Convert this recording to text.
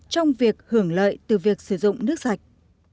trong việc hưởng lợi từ việc sử dụng nước sạch